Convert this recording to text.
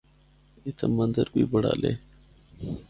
اِتھا مندر بھی بنڑالے۔